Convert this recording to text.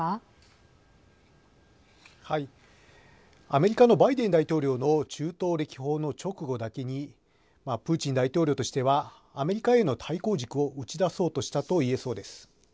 アメリカのバイデン大統領の中東歴訪の直後だけにプーチン大統領としてはアメリカへの対抗軸を打ち出そうとしたといえそうです。